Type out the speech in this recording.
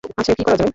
আচ্ছা, কি করা যায়?